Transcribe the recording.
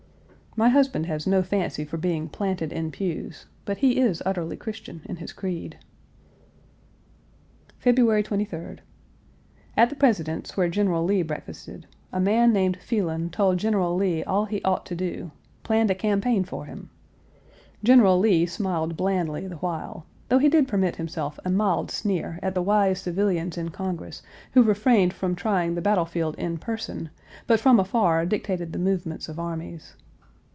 " My husband has no fancy for being planted in pews, but he is utterly Christian in his creed. February 23d. At the President's, where General Lee breakfasted, a man named Phelan told General Lee all he ought to do; planned a campaign for him. General Lee smiled blandly the while, though he did permit himself a mild sneer at the wise civilians in Congress who refrained from trying the battle field in person, but from afar dictated the movements of armies.